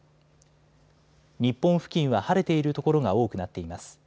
日本付近は晴れている所が多くなっています。